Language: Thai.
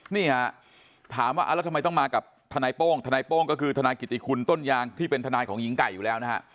นี่ฮะถามว่าแล้วทำไมต้องมากับทนายโป้งทนายโป้งก็คือทนายกิติคุณต้นยางที่เป็นทนายของหญิงไก่อยู่แล้วนะฮะ